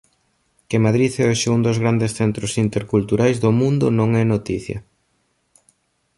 Que Madrid é hoxe un dos grandes centros interculturais do mundo non é noticia.